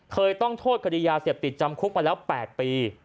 เคยต้องโทษคดียาเสพติดจำคุกมาแล้ว๘ปี